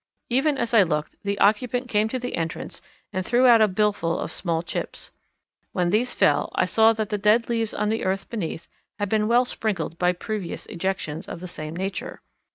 Even as I looked the occupant came to the entrance and threw out a billful of small chips. When these fell, I saw that the dead leaves on the earth beneath had been well sprinkled by previous ejections of the same nature.